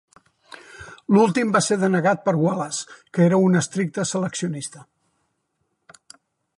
L'últim va ser denegat per Wallace, que era un estricte seleccionista.